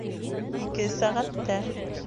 Ике сәғәттә